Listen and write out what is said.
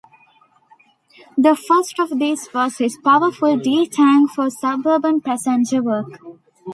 The first of these was his powerful D-tank for suburban passenger work.